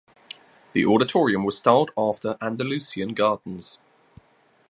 The auditorium was styled after Andalusian gardens.